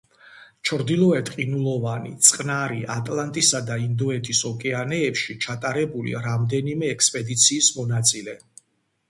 ჩრდილოეთ ყინულოვანი, წყნარი, ატლანტისა და ინდოეთის ოკეანეებში ჩატარებული რამდენიმე ექსპედიციის მონაწილე.